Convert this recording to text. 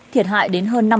thiệt hại đến hơn năm mươi